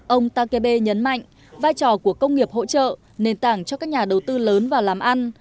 ông takebe nhấn mạnh vai trò của công nghiệp hỗ trợ nền tảng cho các nhà đầu tư lớn vào làm ăn